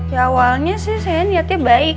ya awalnya sih saya niatnya baik